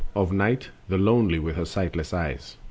Of night, the lonely, with her sightless eyes.